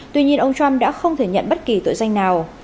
tuy nhiên ông trump đã không thể nhận bất kỳ tội danh nào